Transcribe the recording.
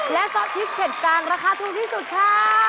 และซอสพริกเผ็ดกลางราคาถูกที่สุดค่ะ